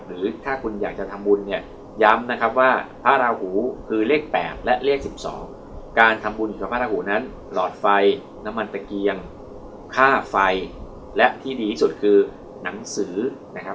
หรือถ้าคุณอยากจะทำบุญเนี่ยย้ำนะครับว่าพระราหูคือเลข๘และเลข๑๒การทำบุญกับพระราหูนั้นหลอดไฟน้ำมันตะเกียงค่าไฟและที่ดีที่สุดคือหนังสือนะครับ